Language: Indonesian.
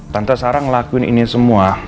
tante sarah ngelakuin ini semua